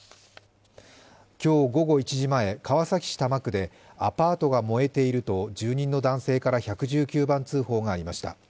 今日午後１時前、川崎市多摩区でアパートが燃えていると住人の男性から１１９番通報がありました。